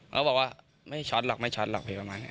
มันก็บอกว่าไม่ชอตหรอกไม่ชอตหรอกประมาณนี้